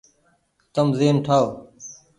تم زهين ٺآئو ۔